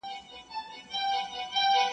زور یې نه وو په وزر او په شهپر کي -